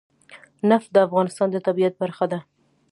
نفت د افغانستان د طبیعت برخه ده.